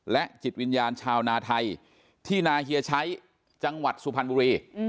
และจิตวิญญาณชาวนาไทยที่นาเฮียชัยจังหวัดสุพรรณบุรี